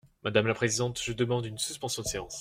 Madame la présidente, je demande une suspension de séance.